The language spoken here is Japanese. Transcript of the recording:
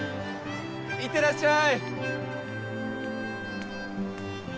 いってらっしゃい！